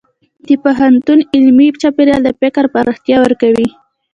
د پوهنتون علمي چاپېریال د فکر پراختیا ورکوي.